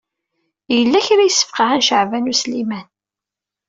Yella kra i yesfeqɛen Caɛban U Sliman.